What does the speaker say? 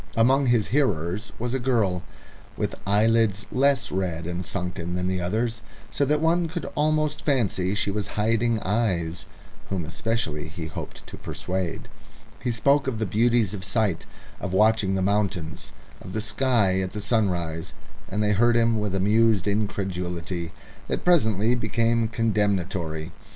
Among his hearers was a girl, with eyelids less red and sunken than the others, so that one could almost fancy she was hiding eyes, whom especially he hoped to persuade. He spoke of the beauties of sight, of watching the mountains, of the sky and the sunrise, and they heard him with amused incredulity that presently became condemnatory.